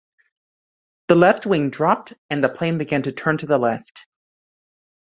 The left wing dropped and the plane began to turn to the left.